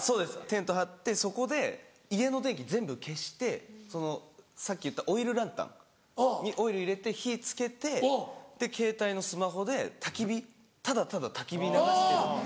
テント張ってそこで家の電気全部消してそのさっき言ったオイルランタンにオイル入れて火付けてでケータイのスマホでたき火ただただたき火流してる。